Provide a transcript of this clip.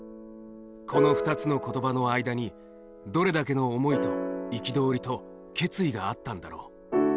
この２つのことばの間に、どれだけの思いと憤りと、決意があったんだろう。